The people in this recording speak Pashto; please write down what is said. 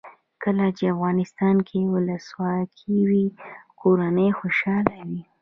کله چې افغانستان کې ولسواکي وي کورنۍ خوشحاله وي.